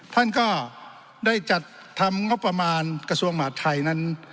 ท่านก็ได้จัดทำงบประมาณกระทรวงหมาดไทยนั้น